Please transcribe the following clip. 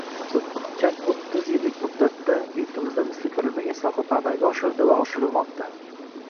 Oʻtgan oʻttiz yillik muddatda yurtimizda misli koʻrilmagan islohotlar amalga oshirildi va oshirilmoqda.